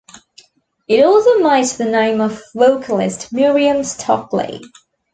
It also made the name of vocalist Miriam Stockley.